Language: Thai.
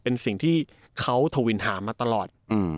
เป็นสิ่งที่เขาทวินหามาตลอด